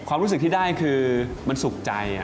ความรู้สึกที่ได้คือมันสุขใจ